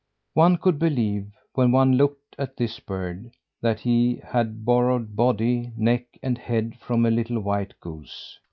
One could believe, when one looked at this bird, that he had borrowed body, neck and head from a little white goose.